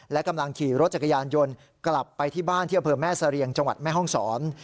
และกำลังขี่รถจักรยานยนต์กลับไปที่บ้านที่อำเภอแม่เสรียงจังหวัดแม่ห้องศร